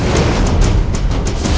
kau akan menang